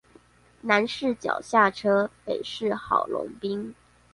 南勢角下車，北市郝龍斌